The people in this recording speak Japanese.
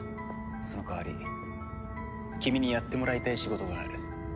その代わり君にやってもらいたい仕事がある。